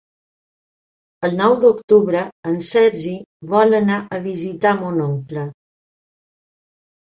El nou d'octubre en Sergi vol anar a visitar mon oncle.